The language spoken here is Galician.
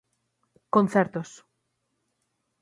Concertos.